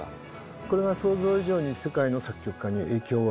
これは想像以上に世界の作曲家に影響を与えた。